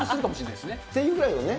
というぐらいのね。